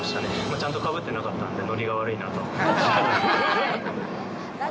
チャンとかぶってなかったんで、ノリが悪いなって思いました。